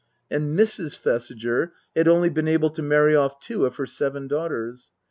And Mrs. Thesiger had only been able to marry off two of her seven daughters.